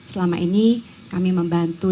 selama ini kami membantu